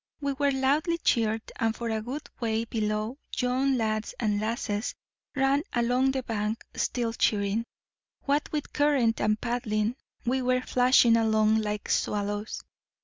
We were loudly cheered, and for a good way below, young lads and lasses ran along the bank still cheering. What with current and paddling, we were flashing along like swallows.